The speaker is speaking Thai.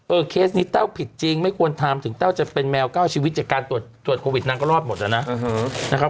เคสนี้แต้วผิดจริงไม่ควรทำถึงแต้วจะเป็นแมว๙ชีวิตจากการตรวจโควิดนางก็รอดหมดแล้วนะนะครับ